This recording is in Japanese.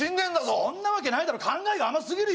そんなわけないだろ考えが甘すぎるよ。